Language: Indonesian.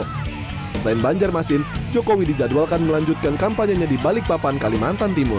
selain banjarmasin jokowi dijadwalkan melanjutkan kampanyenya di balikpapan kalimantan timur